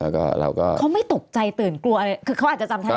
เขาไม่ตกใจเตือนกลัวอะไรเขาอาจจะจำแทนได้